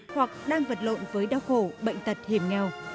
hoặc đang vật lộn với đau khổ bệnh tật hiểm nghèo